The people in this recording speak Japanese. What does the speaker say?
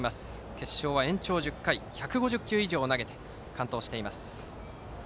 決勝は延長１０回１５０球以上投げて完投。